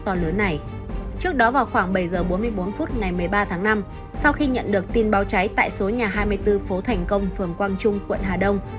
trước đó vào khoảng bảy h bốn mươi bốn phút ngày một mươi ba tháng năm sau khi nhận được tin báo cháy tại số nhà hai mươi bốn phố thành công phường quang trung quận hà đông